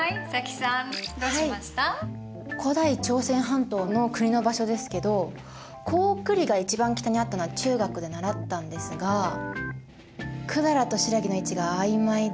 古代朝鮮半島の国の場所ですけど高句麗が一番北にあったのは中学で習ったんですが百済と新羅の位置があいまいで。